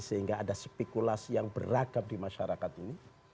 sehingga ada spekulasi yang beragam di masyarakat ini